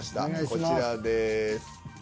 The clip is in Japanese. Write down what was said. こちらです。